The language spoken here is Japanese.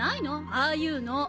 ああいうの！